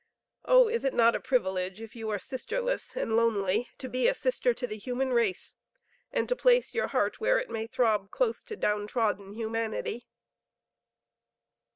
Oh, is it not a privilege, if you are sisterless and lonely, to be a sister to the human race, and to place your heart where it may throb close to down trodden humanity?"